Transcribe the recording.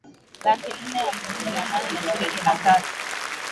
laki nne hamsini na nane na ishirini na tatu